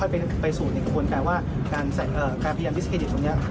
ไปสู่อีกคนแปลว่าการพยายามดิสเครดิตตรงนี้